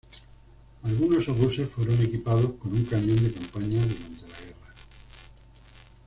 Algunos obuses fueron equipados con un cañón de campaña durante la guerra.